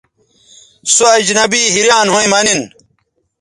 سو اجنبی حیریان َھویں مہ نِن